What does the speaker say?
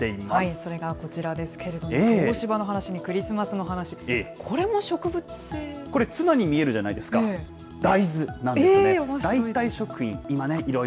それがこちらですけれども、東芝の話にクリスマスの話、これこれ、つまに見えるじゃないおもしろい。